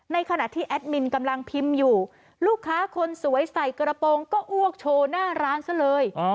ในขณะที่แอดมินกำลังพิมพ์อยู่ลูกค้าคนสวยใส่กระโปรงก็อ้วกโชว์หน้าร้านซะเลย